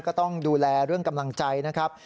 ก็ต้องดูแลเรื่องกำลังใจนะครับ